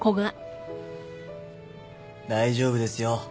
大丈夫ですよ。